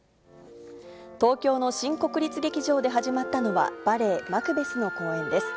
東京の新国立劇場で始まったのは、バレエ、マクベスの公演です。